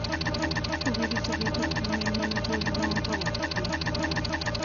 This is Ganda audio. Tukubirizibwa okukuuma enono z'obuwangwa bwaffe.